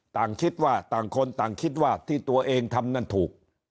ต่างคิดว่าต่างคนต่างคิดว่าที่ตัวเองทำนั้นถูก